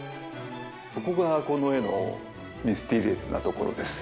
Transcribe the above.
そこがこの絵のミステリアスなところです。